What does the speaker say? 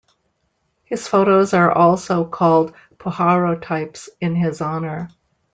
His photos are also called puharotypes, in his honor.